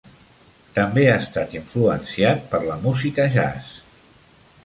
També ha estat influenciat per la música jazz.